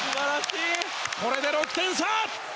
これで６点差！